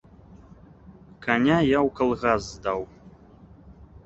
Каня я ў калгас здаў.